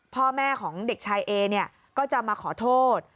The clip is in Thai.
พ่อแม่ของเด็กชายเอเนี่ยก็จะมาขอโทษ